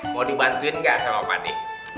mau dibantuin gak sama pak nih